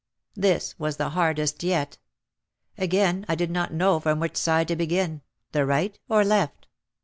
This was the hardest yet. Again I did not know from which side to begin, the right or left.